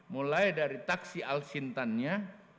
mulai dari taksi alsintannya